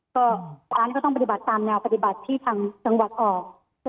ก็ร้านก็ต้องปฏิบัติตามแนวปฏิบัติที่ทางจังหวัดออก